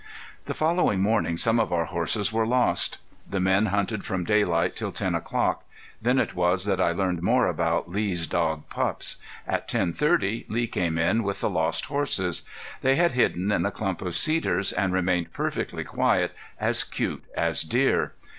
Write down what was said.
The following morning some of our horses were lost. The men hunted from daylight till ten o'clock. Then it was that I learned more about Lee's dog Pups. At ten thirty Lee came in with the lost horses. They had hidden in a clump of cedars and remained perfectly quiet, as cute as deer.